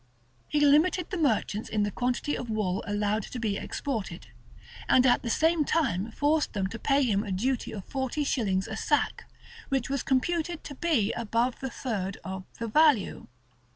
He limited the merchants in the quantity of wool allowed to be exported; and at the same time forced them to pay him a duty of forty shillings a sack, which was computed to be above the third of the value.